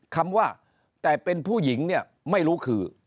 คำว่าแต่เป็นผู้หญิงเนี่ยไม่รู้คือ